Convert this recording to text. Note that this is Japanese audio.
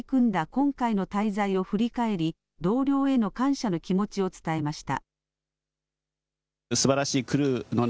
今回の滞在を振り返り同僚への感謝の気持ちを伝えました。